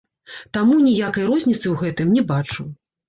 Таму ніякай розніцы ў гэтым не бачу.